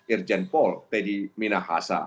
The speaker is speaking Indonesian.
irjen pol teddy minahasa